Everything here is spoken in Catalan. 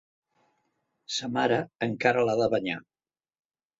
Sa mare encara l'ha de banyar.